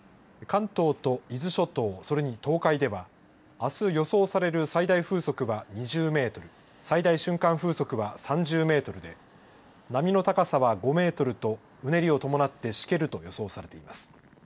関東と伊豆諸島、それに東海ではあす予想される最大風速は２０メートル、最大瞬間風速は３０メートルで波の高さは５メートルとうねりを伴ってしけると予想されています。